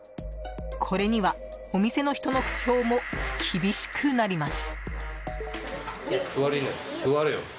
これには、お店の人の口調も厳しくなります。